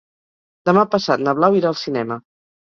Demà passat na Blau irà al cinema.